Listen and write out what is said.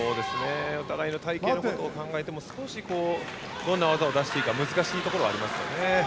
お互いの体形のことを考えても少し、どんな技を出していいか難しいところはあります。